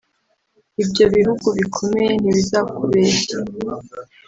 ibyo bihugu bikomeye ntibizakubeshye